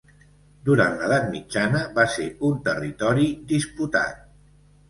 Durant l'edat mitjana va ser un territori disputat.